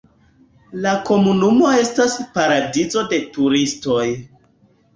La komunumo estas paradizo de turistoj.